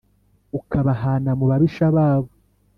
ukabahana mu babisha babo